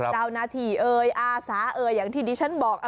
เจ้าหน้าที่เอ่ยอาสาเอ่ยอย่างที่ดิฉันบอก